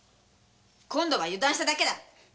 今度は油断しただけだ。